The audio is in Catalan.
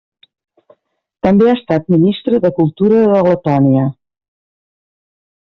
També ha estat ministre de cultura de Letònia.